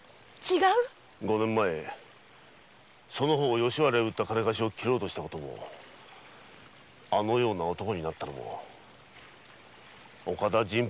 五年前その方を吉原に売った金貸しを斬ろうとした事もあのような男になったのも岡田陣八郎自身のせいなのだ。